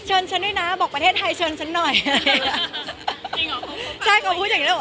เชิญเขามาเทยาไทยบ้างไหมคะ